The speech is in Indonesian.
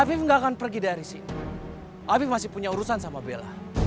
habib gak akan pergi dari sini afif masih punya urusan sama bella